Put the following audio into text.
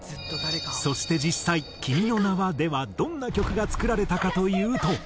そして実際『君の名は。』ではどんな曲が作られたかというと。